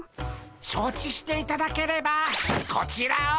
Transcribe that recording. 承知していただければこちらを。